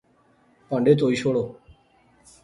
پہانڈے تہوئی شوڑو